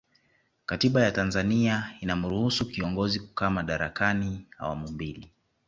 katiba ya tanzania inamruhusu kiongozi kukaa madarakani awamu mbili